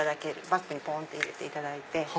バッグにポンって入れていただいて。